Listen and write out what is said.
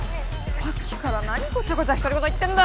さっきからなにごちゃごちゃひとり言言ってんだ！